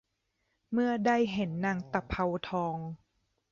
เมื่อได้เห็นนางตะเภาทอง